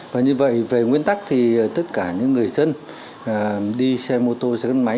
và như vậy về nguyên tắc thì tất cả những người dân đi xe mô tô xe gắn máy